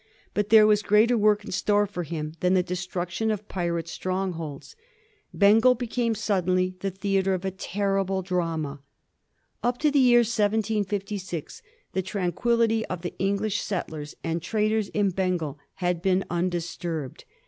But there was greater work in store for him than the destruction of pirate strongholds. Bengal became suddenly the theatre of a terrible drama. Up to the year 1766 the tranquillity of the English settlers and traders in Bengal had been undisturbed.